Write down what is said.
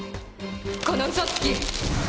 この嘘つき！